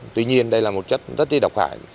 tuy nhiên đây là một chất rất độc hại